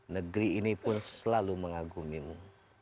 negeri ini pun selalu mengagumimu